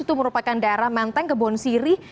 itu merupakan daerah menteng kebon sirih